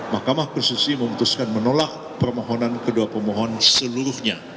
mahkamah konstitusi memutuskan menolak permohonan kedua pemohon seluruhnya